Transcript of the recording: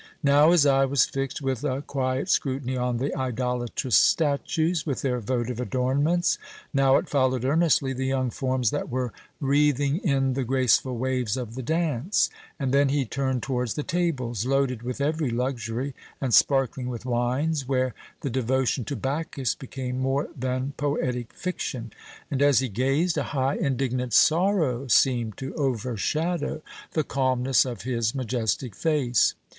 Now his eye was fixed with a quiet scrutiny on the idolatrous statues, with their votive adornments now it followed earnestly the young forms that were wreathing in the graceful waves of the dance; and then he turned towards the tables, loaded with every luxury and sparkling with wines, where the devotion to Bacchus became more than poetic fiction; and as he gazed, a high, indignant sorrow seemed to overshadow the calmness of his majestic face.